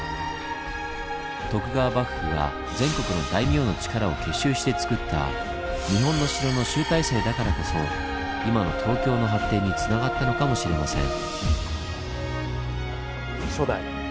徳川幕府が全国の大名の力を結集してつくった日本の城の集大成だからこそ今の東京の発展につながったのかもしれません。